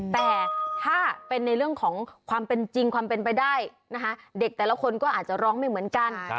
แต่ถ้าเป็นในเรื่องของความเป็นจริงความเป็นไปได้นะคะเด็กแต่ละคนก็อาจจะร้องไม่เหมือนกัน